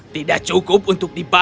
tidak cukup untuk dibuang